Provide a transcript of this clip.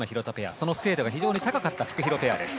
その精度が高かったフクヒロペアです。